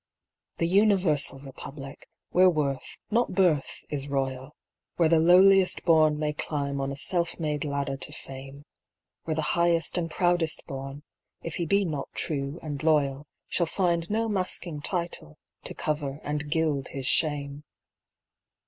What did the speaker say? The Universal Republic, where worth, not birth, is royal; Where the lowliest born may climb on a self made ladder to fame; Where the highest and proudest born, if he be not true and loyal, Shall find no masking title to cover and gild his shame.